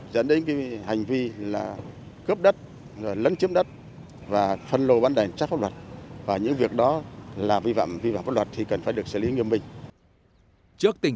dẫn đến hành vi là cướp đất lấn chiếm đất và phân lộ bán đền trách pháp luật và những việc đó là vi phạm vi phạm pháp luật thì cần phải được xử lý nghiêm bình